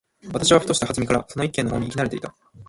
私はふとした機会（はずみ）からその一軒の方に行き慣（な）れていた。